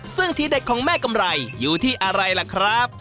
ซึ่งที่เด็ดของแม่กำไรอยู่ที่อะไรล่ะครับ